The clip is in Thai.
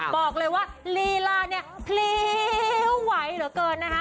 บอกเลยว่าลีลาเนี่ยพลิ้วไหวเหลือเกินนะคะ